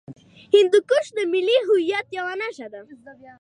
هندوکش د ملي هویت یوه نښه ده.